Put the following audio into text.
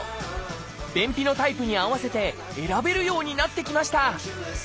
便秘のタイプに合わせて選べるようになってきました